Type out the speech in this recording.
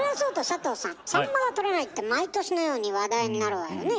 「サンマが取れない」って毎年のように話題になるわよね。